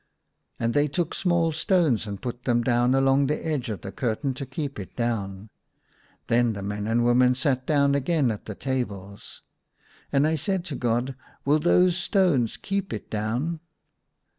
And they took small stones and put them down alonor the edg^e of the cur tain to keep it down. Then the men and women sat down again at the tables. And I said to God, "Will those stones keep it down